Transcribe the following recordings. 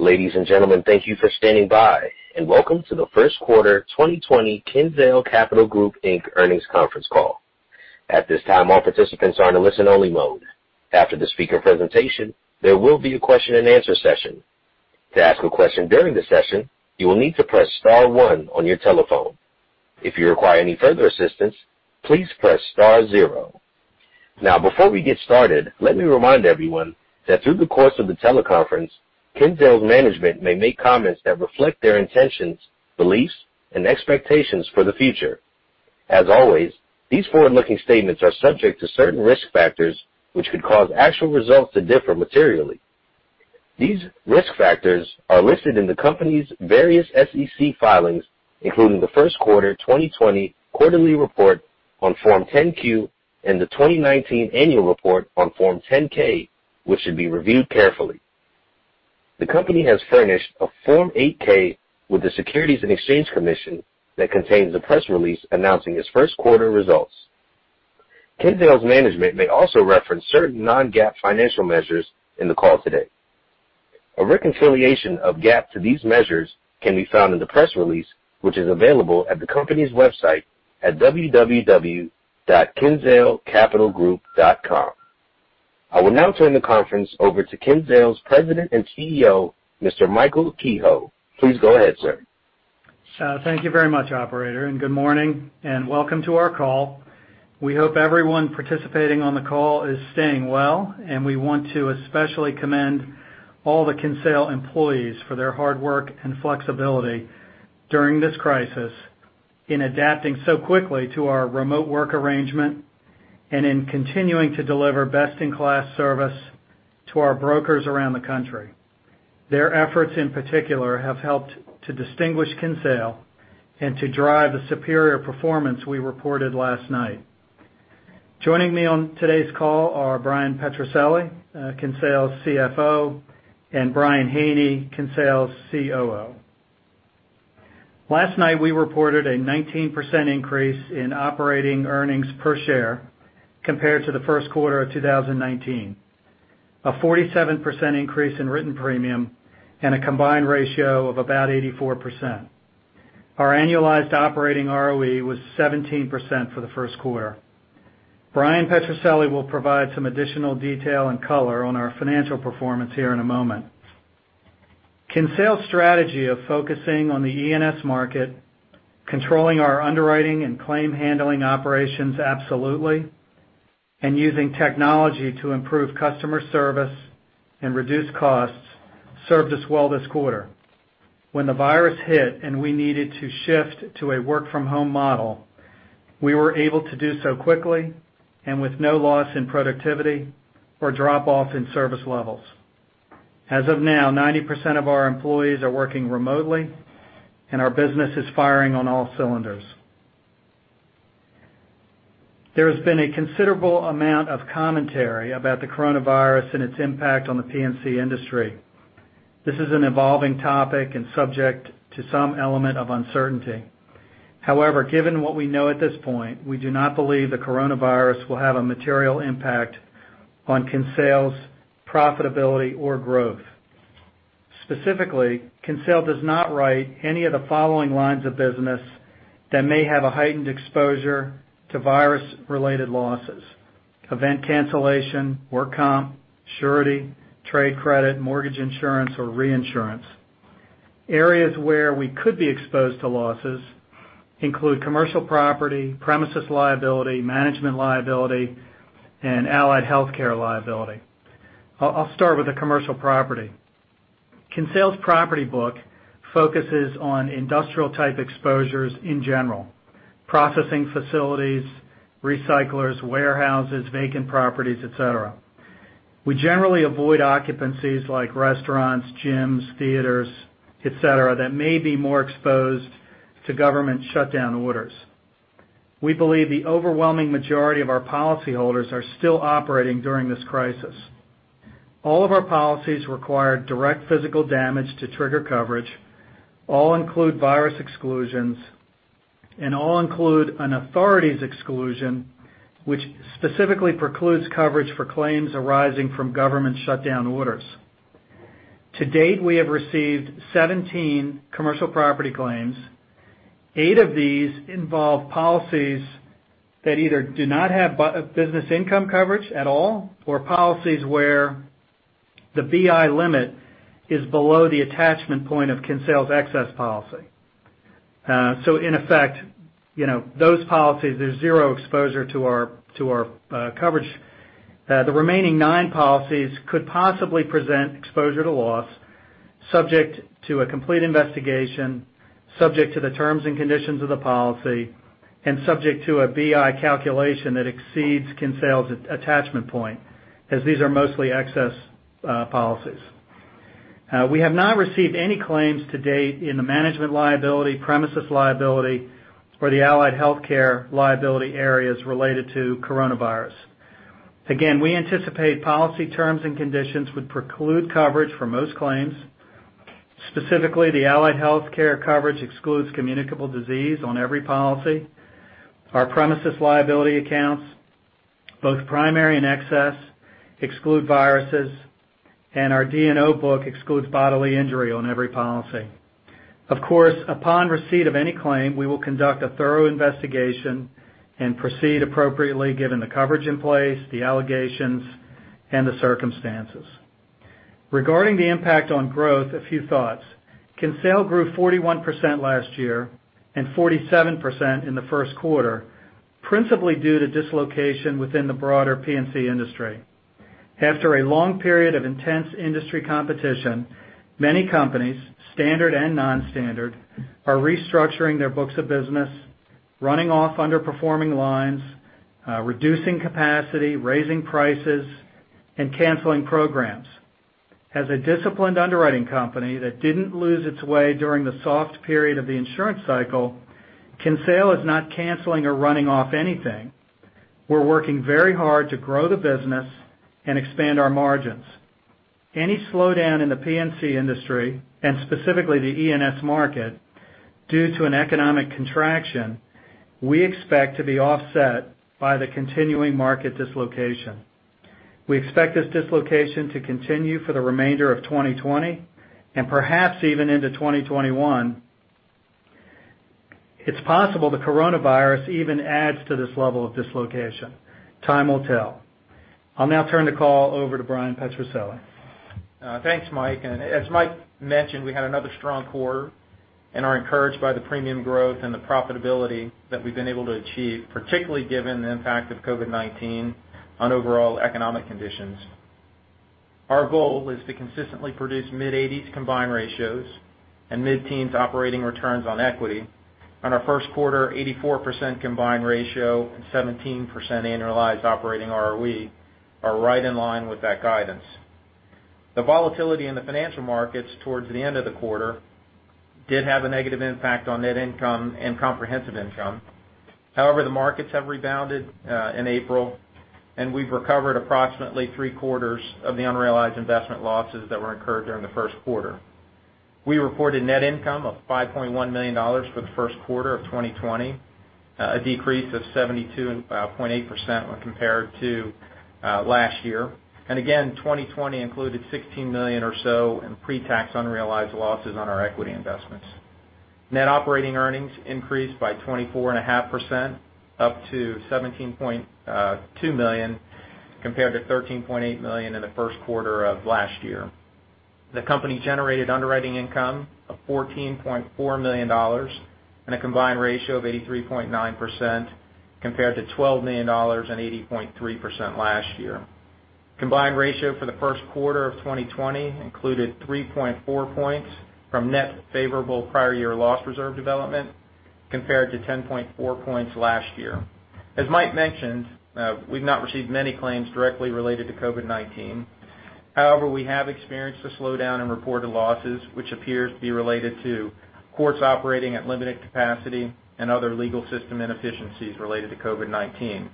Ladies and gentlemen, thank you for standing by, and welcome to the first quarter 2020 Kinsale Capital Group earnings conference call. At this time, all participants are in a listen-only mode. After the speaker presentation, there will be a question-and-answer session. To ask a question during the session, you will need to press star one on your telephone. If you require any further assistance, please press star zero. Now, before we get started, let me remind everyone that through the course of the teleconference, Kinsale's management may make comments that reflect their intentions, beliefs, and expectations for the future. As always, these forward-looking statements are subject to certain risk factors, which could cause actual results to differ materially. These risk factors are listed in the company's various SEC filings, including the first quarter 2020 quarterly report on Form 10-Q and the 2019 annual report on Form 10-K, which should be reviewed carefully. The company has furnished a Form 8-K with the Securities and Exchange Commission that contains a press release announcing its first quarter results. Kinsale's management may also reference certain non-GAAP financial measures in the call today. A reconciliation of GAAP to these measures can be found in the press release, which is available at the company's website at www.kinsalecapitalgroup.com. I will now turn the conference over to Kinsale's President and CEO, Mr. Michael Kehoe. Please go ahead, sir. Thank you very much, Operator, and good morning, and welcome to our call. We hope everyone participating on the call is staying well, and we want to especially commend all the Kinsale employees for their hard work and flexibility during this crisis in adapting so quickly to our remote work arrangement and in continuing to deliver best-in-class service to our brokers around the country. Their efforts, in particular, have helped to distinguish Kinsale and to drive the superior performance we reported last night. Joining me on today's call are Bryan Petrucelli, Kinsale's CFO, and Bryan Haney, Kinsale's COO. Last night, we reported a 19% increase in operating earnings per share compared to the first quarter of 2019, a 47% increase in written premium, and a combined ratio of about 84%. Our annualized operating ROE was 17% for the first quarter. Bryan Petrucelli will provide some additional detail and color on our financial performance here in a moment. Kinsale's strategy of focusing on the E&S market, controlling our underwriting and claim handling operations absolutely, and using technology to improve customer service and reduce costs served us well this quarter. When the virus hit and we needed to shift to a work-from-home model, we were able to do so quickly and with no loss in productivity or drop-off in service levels. As of now, 90% of our employees are working remotely, and our business is firing on all cylinders. There has been a considerable amount of commentary about the coronavirus and its impact on the P&C industry. This is an evolving topic and subject to some element of uncertainty. However, given what we know at this point, we do not believe the coronavirus will have a material impact on Kinsale's profitability or growth. Specifically, Kinsale does not write any of the following lines of business that may have a heightened exposure to virus-related losses: event cancellation, work comp, surety, trade credit, mortgage insurance, or reinsurance. Areas where we could be exposed to losses include commercial property, premises liability, management liability, and allied healthcare liability. I'll start with the commercial property. Kinsale's property book focuses on industrial-type exposures in general: processing facilities, recyclers, warehouses, vacant properties, etc. We generally avoid occupancies like restaurants, gyms, theaters, etc., that may be more exposed to government shutdown orders. We believe the overwhelming majority of our policyholders are still operating during this crisis. All of our policies require direct physical damage to trigger coverage, all include virus exclusions, and all include an authority's exclusion, which specifically precludes coverage for claims arising from government shutdown orders. To date, we have received 17 commercial property claims. Eight of these involve policies that either do not have business income coverage at all or policies where the BI limit is below the attachment point of Kinsale's excess policy. In effect, those policies, there is zero exposure to our coverage. The remaining nine policies could possibly present exposure to loss, subject to a complete investigation, subject to the terms and conditions of the policy, and subject to a BI calculation that exceeds Kinsale's attachment point, as these are mostly excess policies. We have not received any claims to date in the management liability, premises liability, or the allied healthcare liability areas related to coronavirus. Again, we anticipate policy terms and conditions would preclude coverage for most claims. Specifically, the allied healthcare coverage excludes communicable disease on every policy. Our premises liability accounts, both primary and excess, exclude viruses, and our D&O book excludes bodily injury on every policy. Of course, upon receipt of any claim, we will conduct a thorough investigation and proceed appropriately given the coverage in place, the allegations, and the circumstances. Regarding the impact on growth, a few thoughts. Kinsale grew 41% last year and 47% in the first quarter, principally due to dislocation within the broader P&C industry. After a long period of intense industry competition, many companies, standard and non-standard, are restructuring their books of business, running off underperforming lines, reducing capacity, raising prices, and canceling programs. As a disciplined underwriting company that didn't lose its way during the soft period of the insurance cycle, Kinsale is not canceling or running off anything. We're working very hard to grow the business and expand our margins. Any slowdown in the P&C industry, and specifically the E&S market, due to an economic contraction, we expect to be offset by the continuing market dislocation. We expect this dislocation to continue for the remainder of 2020 and perhaps even into 2021. It's possible the coronavirus even adds to this level of dislocation. Time will tell. I'll now turn the call over to Bryan Petrucelli. Thanks, Mike. As Mike mentioned, we had another strong quarter and are encouraged by the premium growth and the profitability that we've been able to achieve, particularly given the impact of COVID-19 on overall economic conditions. Our goal is to consistently produce mid-80s combined ratios and mid-teens operating returns on equity. On our first quarter, 84% combined ratio and 17% annualized operating ROE are right in line with that guidance. The volatility in the financial markets towards the end of the quarter did have a negative impact on net income and comprehensive income. However, the markets have rebounded in April, and we've recovered approximately three-quarters of the unrealized investment losses that were incurred during the first quarter. We reported net income of $5.1 million for the first quarter of 2020, a decrease of 72.8% when compared to last year. Again, 2020 included $16 million or so in pre-tax unrealized losses on our equity investments. Net operating earnings increased by 24.5%, up to $17.2 million compared to $13.8 million in the first quarter of last year. The company generated underwriting income of $14.4 million and a combined ratio of 83.9% compared to $12 million and 80.3% last year. Combined ratio for the first quarter of 2020 included 3.4 percentage points from net favorable prior year loss reserve development compared to 10.4 percentage points last year. As Mike mentioned, we've not received many claims directly related to COVID-19. However, we have experienced a slowdown in reported losses, which appears to be related to courts operating at limited capacity and other legal system inefficiencies related to COVID-19.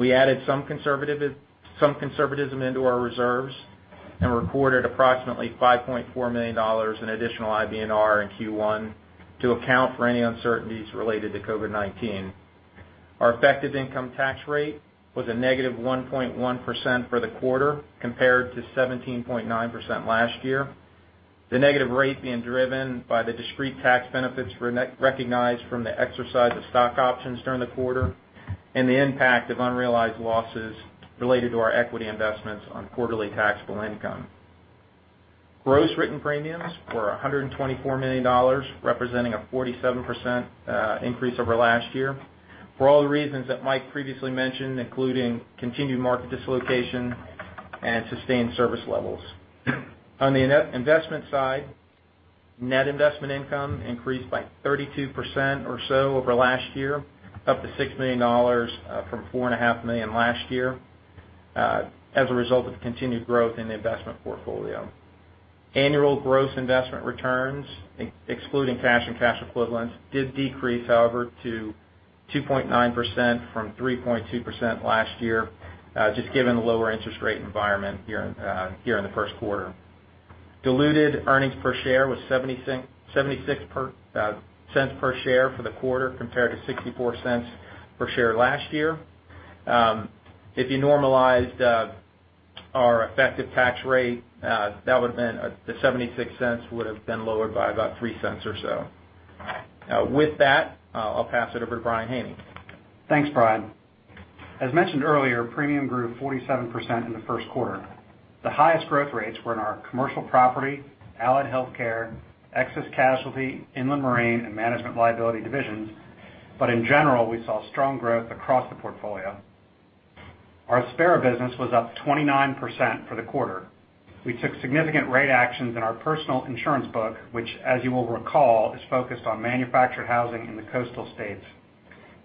We added some conservatism into our reserves and recorded approximately $5.4 million in additional IBNR in Q1 to account for any uncertainties related to COVID-19. Our effective income tax rate was a -1.1% for the quarter compared to 17.9% last year, the negative rate being driven by the discrete tax benefits recognized from the exercise of stock options during the quarter and the impact of unrealized losses related to our equity investments on quarterly taxable income. Gross written premiums were $124 million, representing a 47% increase over last year for all the reasons that Mike previously mentioned, including continued market dislocation and sustained service levels. On the investment side, net investment income increased by 32% or so over last year, up to $6 million from $4.5 million last year as a result of continued growth in the investment portfolio. Annual gross investment returns, excluding cash and cash equivalents, did decrease, however, to 2.9% from 3.2% last year, just given the lower interest rate environment here in the first quarter. Diluted earnings per share was $0.76 per share for the quarter compared to $0.64 per share last year. If you normalized our effective tax rate, that would have been the $0.76 would have been lowered by about $0.03 or so. With that, I'll pass it over to Brian Haney. Thanks, Bryan. As mentioned earlier, premium grew 47% in the first quarter. The highest growth rates were in our commercial property, allied healthcare, excess casualty, inland marine, and management liability divisions, but in general, we saw strong growth across the portfolio. Our spare business was up 29% for the quarter. We took significant rate actions in our personal insurance book, which, as you will recall, is focused on manufactured housing in the coastal states.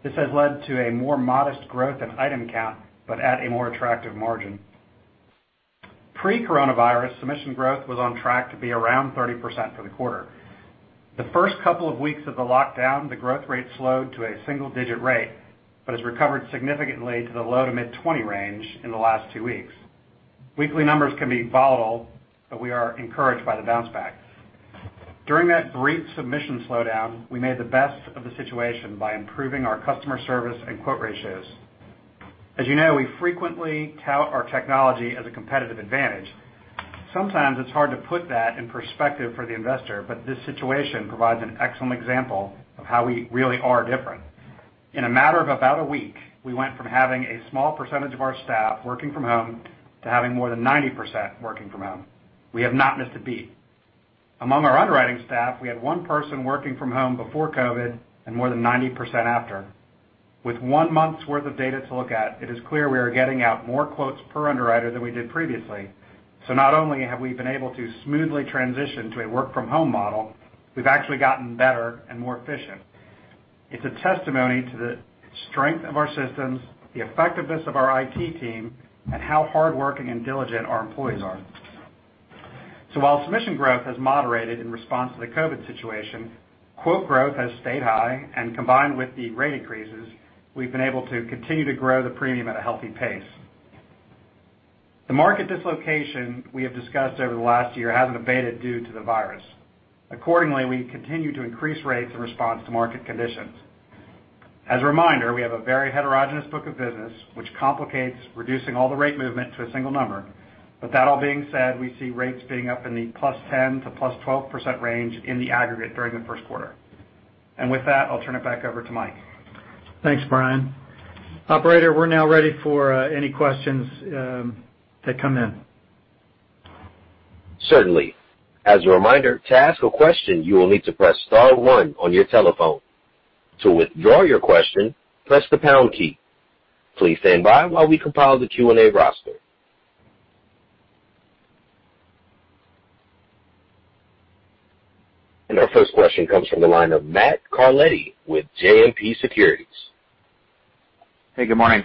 This has led to a more modest growth in item count, but at a more attractive margin. Pre-coronavirus, submission growth was on track to be around 30% for the quarter. The first couple of weeks of the lockdown, the growth rate slowed to a single-digit rate, but has recovered significantly to the low to mid-20% range in the last two weeks. Weekly numbers can be volatile, but we are encouraged by the bounce back. During that brief submission slowdown, we made the best of the situation by improving our customer service and quote ratios. As you know, we frequently tout our technology as a competitive advantage. Sometimes it's hard to put that in perspective for the investor, but this situation provides an excellent example of how we really are different. In a matter of about a week, we went from having a small percentage of our staff working from home to having more than 90% working from home. We have not missed a beat. Among our underwriting staff, we had one person working from home before COVID and more than 90% after. With one month's worth of data to look at, it is clear we are getting out more quotes per underwriter than we did previously. Not only have we been able to smoothly transition to a work-from-home model, we've actually gotten better and more efficient. It's a testimony to the strength of our systems, the effectiveness of our IT team, and how hardworking and diligent our employees are. While submission growth has moderated in response to the COVID situation, quote growth has stayed high, and combined with the rate increases, we've been able to continue to grow the premium at a healthy pace. The market dislocation we have discussed over the last year hasn't abated due to the virus. Accordingly, we continue to increase rates in response to market conditions. As a reminder, we have a very heterogeneous book of business, which complicates reducing all the rate movement to a single number. That all being said, we see rates being up in the +10% to +12% range in the aggregate during the first quarter. With that, I'll turn it back over to Mike. Thanks, Bryan. Operator, we're now ready for any questions that come in. Certainly. As a reminder, to ask a question, you will need to press star one on your telephone. To withdraw your question, press the pound key. Please stand by while we compile the Q&A roster. Our first question comes from the line of Matt Carletti with JMP Securities. Hey, good morning.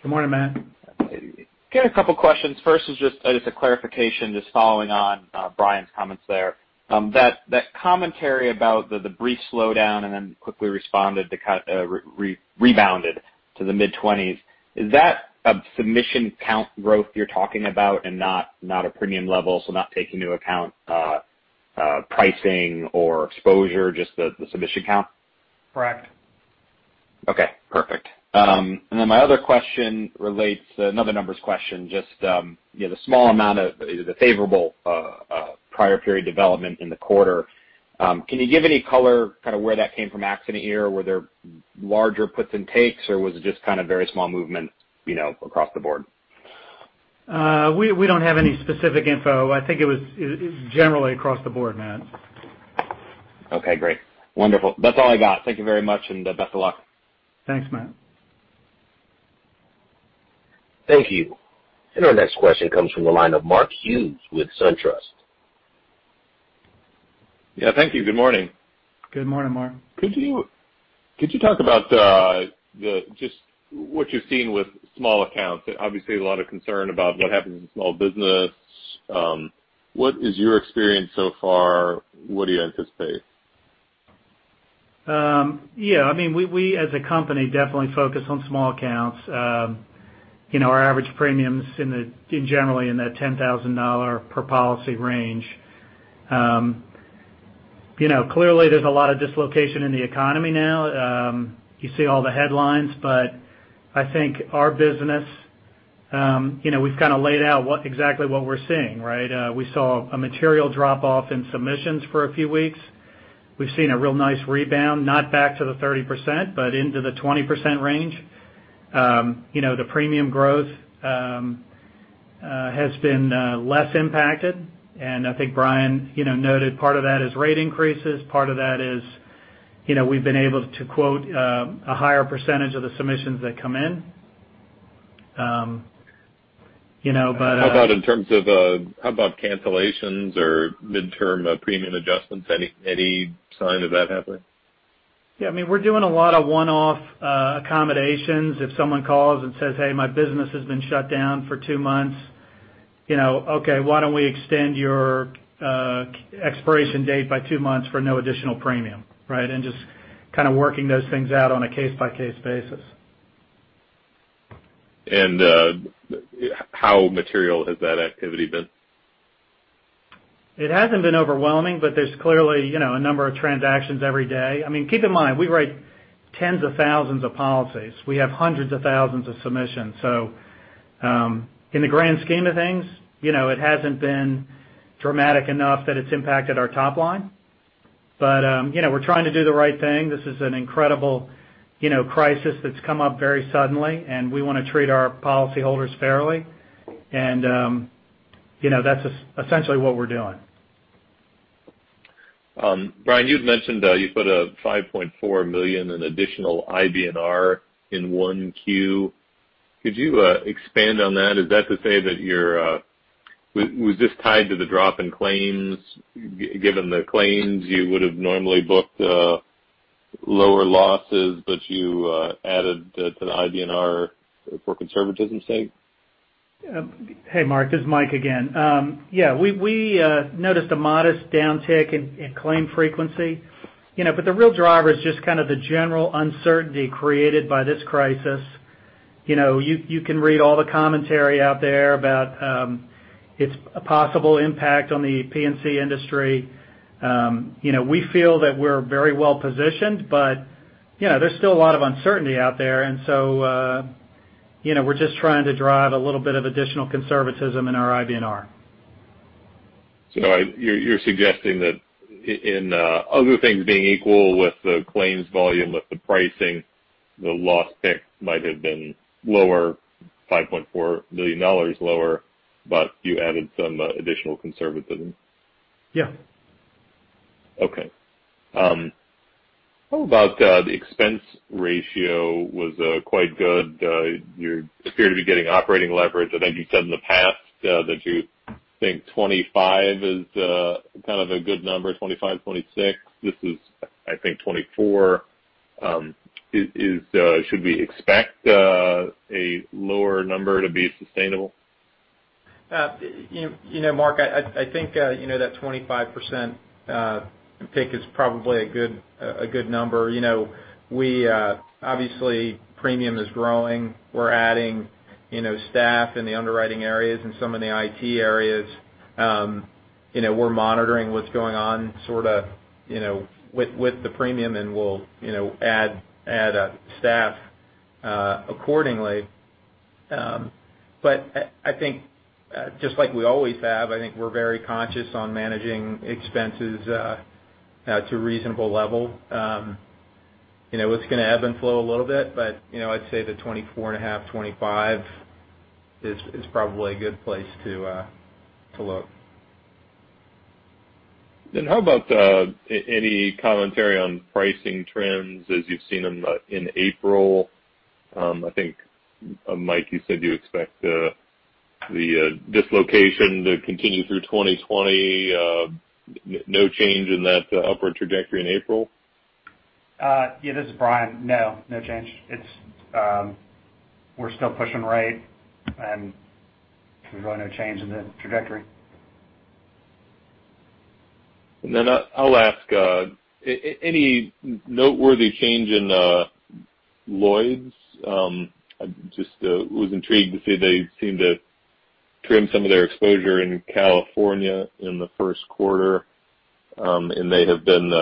Good morning, Matt. I've got a couple of questions. First is just a clarification, just following on Bryan's comments there. That commentary about the brief slowdown and then quickly rebounded to the mid-20s, is that a submission count growth you're talking about and not a premium level, so not taking into account pricing or exposure, just the submission count? Correct. Okay. Perfect. My other question relates to another numbers question, just the small amount of the favorable prior period development in the quarter. Can you give any color kind of where that came from accident year? Were there larger puts and takes, or was it just kind of very small movement across the board? We do not have any specific info. I think it was generally across the board, Matt. Okay. Great. Wonderful. That's all I got. Thank you very much and best of luck. Thanks, Matt. Thank you. Our next question comes from the line of Mark Hughes with SunTrust. Yeah. Thank you. Good morning. Good morning, Mark. Could you talk about just what you've seen with small accounts? Obviously, a lot of concern about what happens to small business. What is your experience so far? What do you anticipate? Yeah. I mean, we as a company definitely focus on small accounts. Our average premiums are generally in that $10,000 per policy range. Clearly, there's a lot of dislocation in the economy now. You see all the headlines, but I think our business, we've kind of laid out exactly what we're seeing, right? We saw a material drop-off in submissions for a few weeks. We've seen a real nice rebound, not back to the 30%, but into the 20% range. The premium growth has been less impacted. I think Bryan noted part of that is rate increases. Part of that is we've been able to quote a higher percentage of the submissions that come in. How about in terms of cancellations or midterm premium adjustments? Any sign of that happening? Yeah. I mean, we're doing a lot of one-off accommodations. If someone calls and says, "Hey, my business has been shut down for two months. Okay, why don't we extend your expiration date by two months for no additional premium," right? Just kind of working those things out on a case-by-case basis. How material has that activity been? It hasn't been overwhelming, but there's clearly a number of transactions every day. I mean, keep in mind, we write tens of thousands of policies. We have hundreds of thousands of submissions. In the grand scheme of things, it hasn't been dramatic enough that it's impacted our top line. We are trying to do the right thing. This is an incredible crisis that's come up very suddenly, and we want to treat our policyholders fairly. That's essentially what we're doing. Bryan, you'd mentioned you put a $5.4 million in additional IBNR in 1Q. Could you expand on that? Is that to say that you're, was this tied to the drop in claims? Given the claims, you would have normally booked lower losses, but you added to the IBNR for conservatism's sake? Hey, Mark. This is Mike again. Yeah. We noticed a modest downtick in claim frequency. The real driver is just kind of the general uncertainty created by this crisis. You can read all the commentary out there about its possible impact on the P&C industry. We feel that we're very well positioned, but there's still a lot of uncertainty out there. We're just trying to drive a little bit of additional conservatism in our IBNR. You're suggesting that in other things being equal with the claims volume, with the pricing, the loss tick might have been lower, $5.4 million lower, but you added some additional conservatism? Yeah. Okay. How about the expense ratio? Was quite good. You appear to be getting operating leverage. I think you said in the past that you think 25% is kind of a good number, 25%, 26%. This is, I think, 24%, should we expect a lower number to be sustainable? Mark, I think that 25% tick is probably a good number. Obviously, premium is growing. We're adding staff in the underwriting areas and some of the IT areas. We're monitoring what's going on sort of with the premium, and we'll add staff accordingly. I think, just like we always have, I think we're very conscious on managing expenses to a reasonable level. It's going to ebb and flow a little bit, but I'd say the 24.5%, 25% is probably a good place to look. How about any commentary on pricing trends as you've seen them in April? I think, Mike, you said you expect the dislocation to continue through 2020. No change in that upward trajectory in April? Yeah. This is Bryan. No. No change. We're still pushing right, and there's really no change in the trajectory. I'll ask, any noteworthy change in Lloyd's? I just was intrigued to see they seem to trim some of their exposure in California in the first quarter. They have been,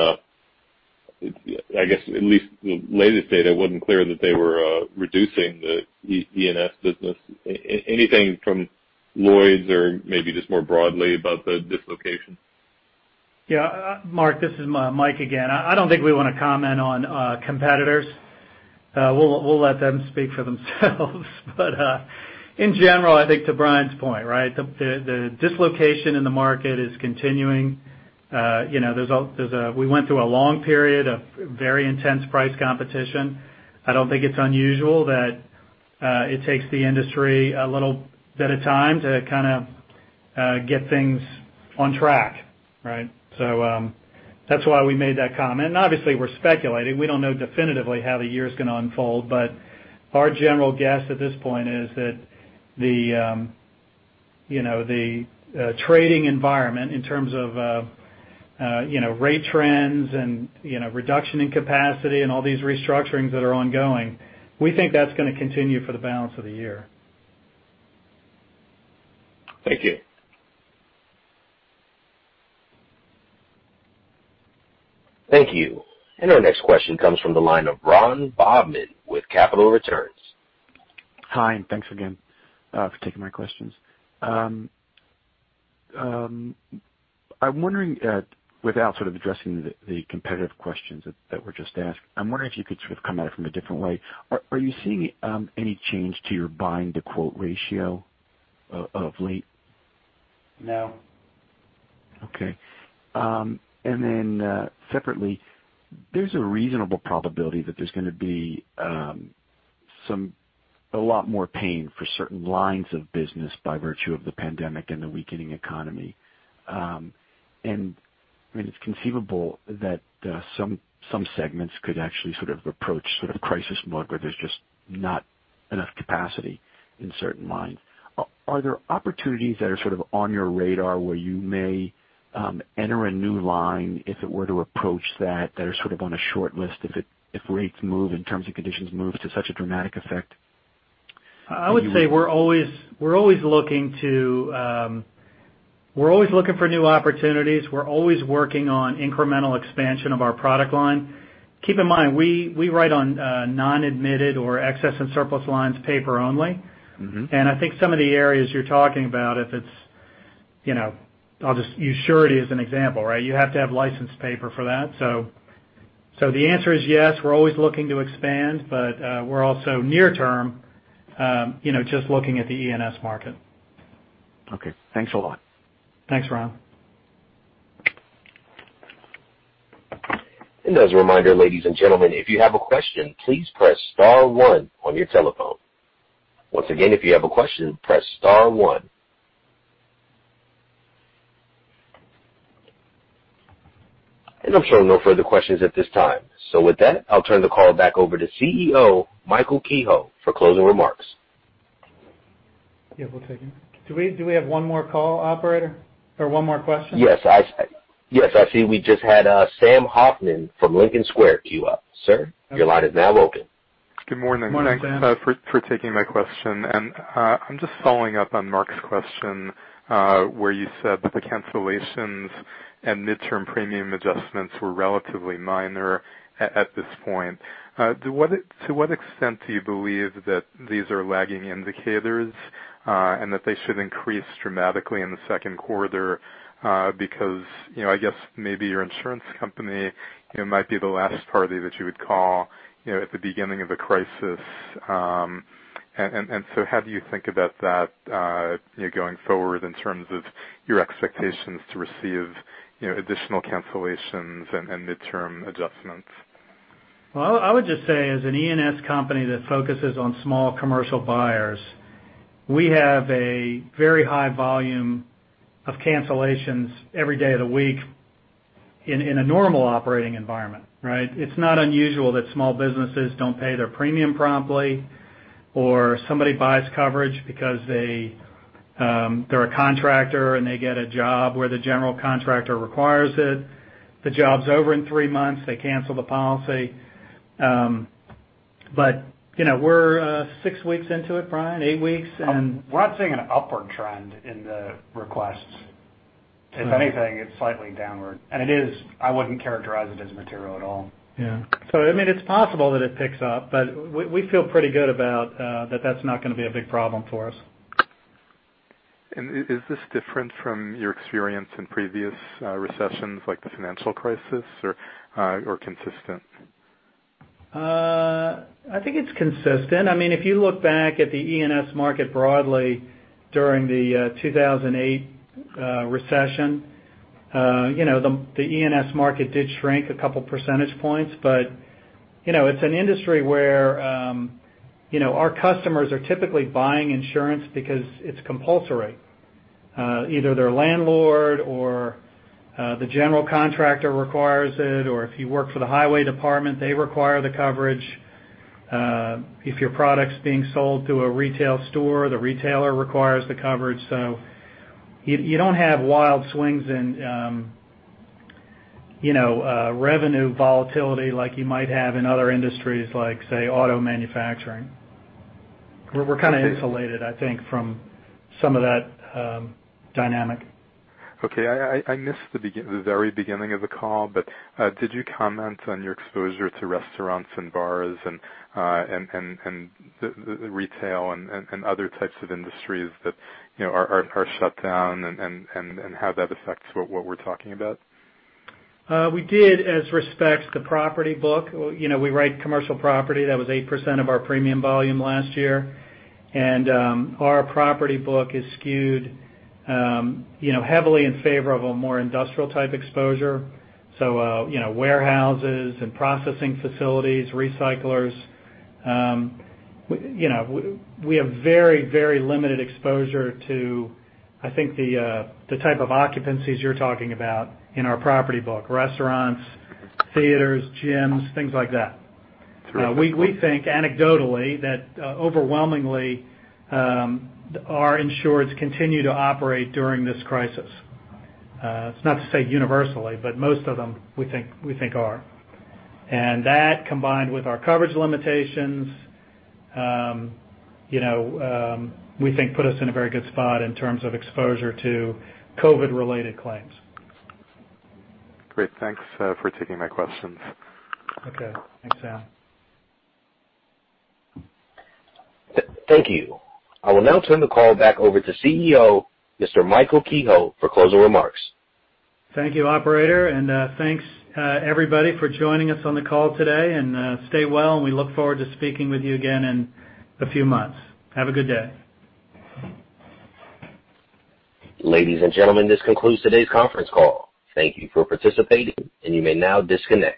I guess, at least the latest data, it wasn't clear that they were reducing the E&S business. Anything from Lloyd's or maybe just more broadly about the dislocation? Yeah. Mark, this is Mike again. I do not think we want to comment on competitors. We will let them speak for themselves. In general, I think to Bryan's point, the dislocation in the market is continuing. We went through a long period of very intense price competition. I do not think it is unusual that it takes the industry a little bit of time to kind of get things on track, right? That is why we made that comment. Obviously, we are speculating. We do not know definitively how the year is going to unfold, but our general guess at this point is that the trading environment in terms of rate trends and reduction in capacity and all these restructurings that are ongoing, we think that is going to continue for the balance of the year. Thank you. Thank you. Our next question comes from the line of Ron Bobman with Capital Returns. Hi. Thanks again for taking my questions. I'm wondering, without sort of addressing the competitive questions that were just asked, I'm wondering if you could sort of come at it from a different way. Are you seeing any change to your buying-to-quote ratio of late? No. Okay. Then separately, there's a reasonable probability that there's going to be a lot more pain for certain lines of business by virtue of the pandemic and the weakening economy. I mean, it's conceivable that some segments could actually sort of approach sort of crisis mode where there's just not enough capacity in certain lines. Are there opportunities that are sort of on your radar where you may enter a new line if it were to approach that that are sort of on a short list if rates move and terms and conditions move to such a dramatic effect? I would say we're always looking for new opportunities. We're always working on incremental expansion of our product line. Keep in mind, we write on non-admitted or excess and surplus lines paper only. I think some of the areas you're talking about, if it's I'll just use Surety as an example, right? You have to have licensed paper for that. The answer is yes. We're always looking to expand, but we're also near-term just looking at the E&S market. Okay. Thanks a lot. Thanks, Ron. As a reminder, ladies and gentlemen, if you have a question, please press star one on your telephone. Once again, if you have a question, press star one. I'm showing no further questions at this time. With that, I'll turn the call back over to CEO Michael Kehoe for closing remarks. Yeah. We'll take it. Do we have one more call, Operator, or one more question? Yes. Yes. I see we just had Sam Hoffman from Lincoln Square queue up. Sir, your line is now open. Good morning. Morning, Sam Thanks for taking my question. I'm just following up on Mark's question where you said that the cancellations and midterm premium adjustments were relatively minor at this point. To what extent do you believe that these are lagging indicators and that they should increase dramatically in the second quarter? I guess maybe your insurance company might be the last party that you would call at the beginning of a crisis. How do you think about that going forward in terms of your expectations to receive additional cancellations and midterm adjustments? I would just say as an E&S company that focuses on small commercial buyers, we have a very high volume of cancellations every day of the week in a normal operating environment, right? It's not unusual that small businesses don't pay their premium promptly or somebody buys coverage because they're a contractor and they get a job where the general contractor requires it. The job's over in three months. They cancel the policy. We're six weeks into it, Bryan, eight weeks, and. We're not seeing an upward trend in the requests. If anything, it's slightly downward. It is. I wouldn't characterize it as material at all. Yeah. I mean, it's possible that it picks up, but we feel pretty good about that. That's not going to be a big problem for us. Is this different from your experience in previous recessions like the financial crisis or consistent? I think it's consistent. I mean, if you look back at the E&S market broadly during the 2008 recession, the E&S market did shrink a couple of percentage points, but it's an industry where our customers are typically buying insurance because it's compulsory. Either their landlord or the general contractor requires it, or if you work for the highway department, they require the coverage. If your product's being sold to a retail store, the retailer requires the coverage. You don't have wild swings in revenue volatility like you might have in other industries like, say, auto manufacturing. We're kind of insulated, I think, from some of that dynamic. Okay. I missed the very beginning of the call, but did you comment on your exposure to restaurants and bars and retail and other types of industries that are shut down and how that affects what we're talking about? We did as respects to property book. We write commercial property. That was 8% of our premium volume last year. Our property book is skewed heavily in favor of a more industrial-type exposure. Warehouses and processing facilities, recyclers. We have very, very limited exposure to, I think, the type of occupancies you're talking about in our property book: restaurants, theaters, gyms, things like that. Through.We think anecdotally that overwhelmingly our insureds continue to operate during this crisis. It's not to say universally, but most of them, we think, are. That combined with our coverage limitations, we think put us in a very good spot in terms of exposure to COVID-related claims. Great. Thanks for taking my questions. Okay. Thanks, Sam. Thank you. I will now turn the call back over to CEO Mr. Michael Kehoe for closing remarks. Thank you, Operator. Thank you, everybody, for joining us on the call today. Stay well, and we look forward to speaking with you again in a few months. Have a good day. Ladies and gentlemen, this concludes today's conference call. Thank you for participating, and you may now disconnect.